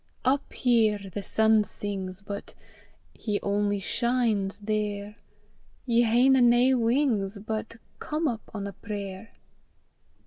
Up here the sun sings, but He only shines there! Ye haena nae wings, but Come up on a prayer.